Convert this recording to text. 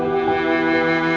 kenapa gak berhenti